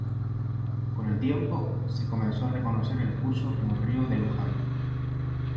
Con el tiempo, se comenzó a reconocer al curso como río de Luján.